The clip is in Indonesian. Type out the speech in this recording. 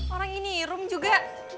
orang ini rum juga